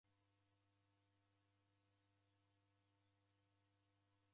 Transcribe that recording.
Poilwa ni vindo kwadeka kumoni.